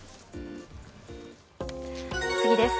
次です。